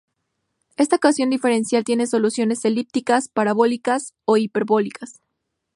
Esta ecuación diferencial tiene soluciones elípticas, parabólicas o hiperbólicas.